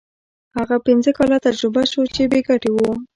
هغه پنځه کاله تجربه شو چې بې ګټې وو.